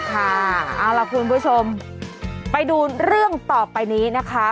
ค่ะเอาล่ะคุณผู้ชมไปดูเรื่องต่อไปนี้นะคะ